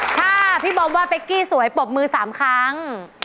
ถ้าพี่บอมว่าเป๊กกี้สวยปรบมือ๓ครั้ง